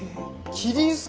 キリンすか？